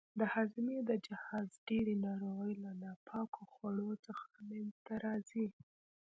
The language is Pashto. د هاضمې د جهاز ډېرې ناروغۍ له ناپاکو خوړو څخه منځته راځي.